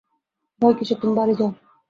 ভয় কিসের, তুমি বাড়ি যাও।